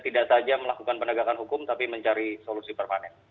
tidak saja melakukan penegakan hukum tapi mencari solusi permanen